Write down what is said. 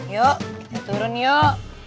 yuk kita turun yuk